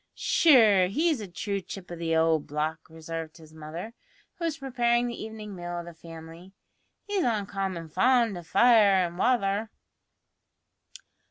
"Sure, he's a true chip o' the owld block," observed his mother, who was preparing the evening meal of the family; "he's uncommon fond o' fire an' wather."